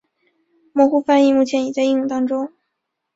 模糊翻译目前已在应用当中。